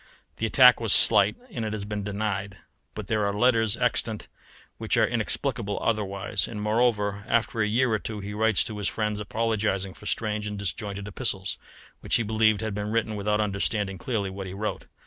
The attack was slight, and it has been denied; but there are letters extant which are inexplicable otherwise, and moreover after a year or two he writes to his friends apologizing for strange and disjointed epistles, which he believed he had written without understanding clearly what he wrote.